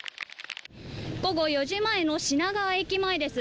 午後４時前の品川駅前です。